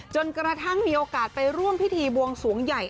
จนกระทั่งมีโอกาสไปร่วมพิธีบวงสวงใหญ่